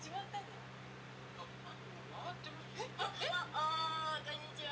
あこんにちは。